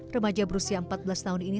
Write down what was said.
remaja berusia empat belas tahun ini